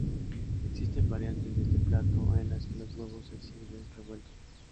Existen variantes de este plato en las que los huevos se sirven revueltos.